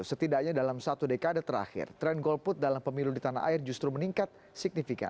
setidaknya dalam satu dekade terakhir tren golput dalam pemilu di tanah air justru meningkat signifikan